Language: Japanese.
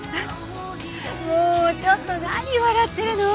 もうちょっと何笑ってるの？